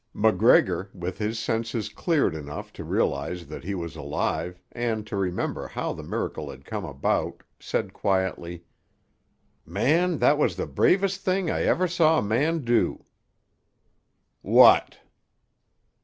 MacGregor, with his senses cleared enough to realise that he was alive, and to remember how the miracle had come about, said quietly— "Man, that was the bravest thing I ever saw a man do." "What?"